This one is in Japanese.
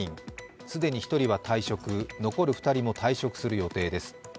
既に１人は退職、残る２人も退職する予定です。